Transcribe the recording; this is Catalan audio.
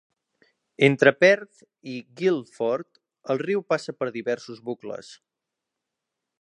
Entre Perth i Guildford, el riu passa per diversos bucles.